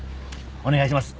お願いします。